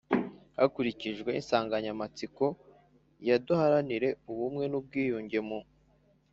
hakurikijwe insanganyamatsiko ya Duharanire ubumwe n ubwiyunge mu